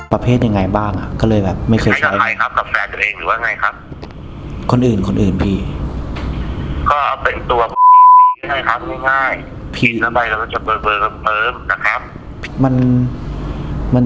ประเภทยังไงบ้างอ่ะก็เลยแบบไม่เคยใช้ใช้กับใครครับ